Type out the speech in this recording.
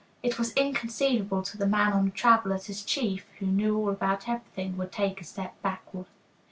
It was inconceivable to the man on the "traveler" that his chief, who knew all about everything, would take a step backward.